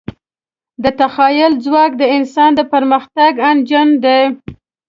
د تخیل ځواک د انسان د پرمختګ انجن دی.